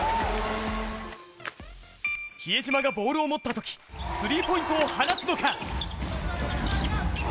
比江島がボールを持ったとき、３ポイントを放つのか。